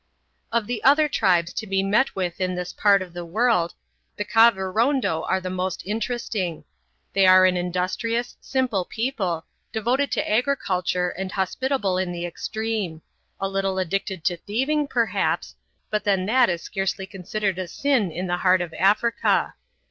Of the other tribes to be met with in this part of the world, the Kavirondo are the most interesting. They are an industrious, simple people, devoted to agriculture and hospitable in the extreme a little addicted to thieving, perhaps, but then that is scarcely considered a sin in the heart of Africa.